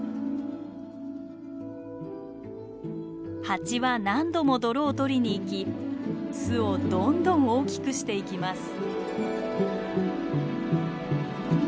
ハチは何度も泥を取りにいき巣をどんどん大きくしていきます。